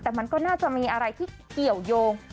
แต่มันก็น่าจะมีอะไรที่เกี่ยวยง